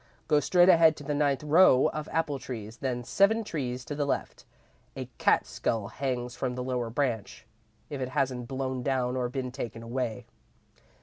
Go straight ahead to the ninth row of apple trees, then seven trees to the left. A cat's skull hangs from the lower branch, if it hasn't blown down or been taken away.